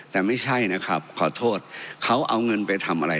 แต่ไม่ใช่นะครับขอโทษเขาเอาเงินไปทำอะไร